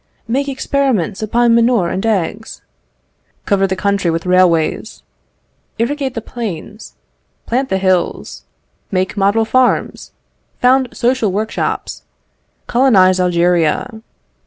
"Make experiments upon manure and eggs. "Cover the country with railways. "Irrigate the plains. "Plant the hills. "Make model farms. "Found social workshops. "Colonize Algeria.